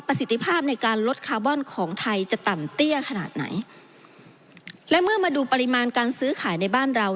สิทธิภาพในการลดคาร์บอนของไทยจะต่ำเตี้ยขนาดไหนและเมื่อมาดูปริมาณการซื้อขายในบ้านเรา